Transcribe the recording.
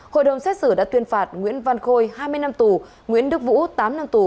hội đồng xét xử đã tuyên phạt nguyễn văn khôi hai mươi năm tù nguyễn đức vũ tám năm tù